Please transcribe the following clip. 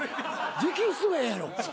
直筆がええやろ。